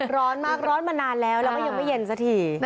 ร้อนมากร้อนมานานแล้วแล้วก็ยังไม่เย็นสักที